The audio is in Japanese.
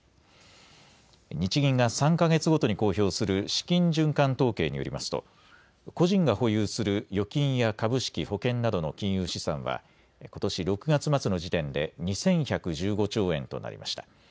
日銀が３か月ごとに公表する資金循環統計によりますと個人が保有する預金や株式、保険などの金融資産はことし６月末の時点で２１１５兆円となりました。